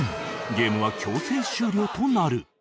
ゲームは強制終了となる